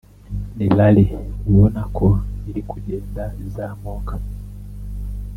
ni Rally ubona ko iri kugenda izamuka